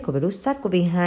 của virus sars cov hai